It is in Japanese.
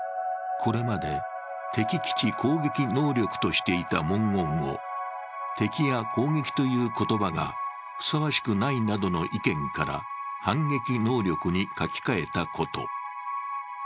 これまで敵基地攻撃能力としていた文言を敵や攻撃という言葉がふさわしくないなどの意見から反撃能力に書き換えたこと。